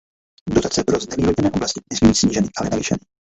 Dotace pro znevýhodněné oblasti nesmí být sníženy, ale navýšeny.